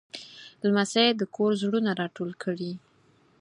لمسی د کور زړونه راټول کړي.